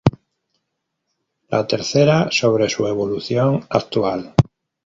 La tercera, sobre su evolución actual.